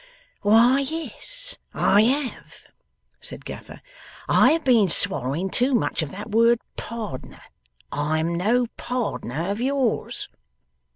'Why, yes, I have,' said Gaffer. 'I have been swallowing too much of that word, Pardner. I am no pardner of yours.